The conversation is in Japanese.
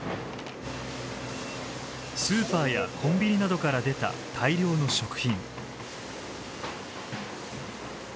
スーパーやコンビニなどから出た大量の食品。